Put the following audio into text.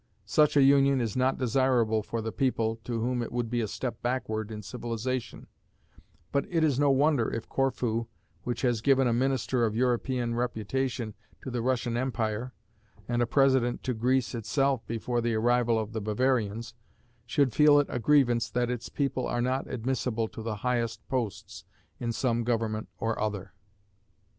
Such a union is not desirable for the people, to whom it would be a step backward in civilization; but it is no wonder if Corfu, which has given a minister of European reputation to the Russian Empire, and a president to Greece itself before the arrival of the Bavarians, should feel it a grievance that its people are not admissable to the highest posts in some government or other.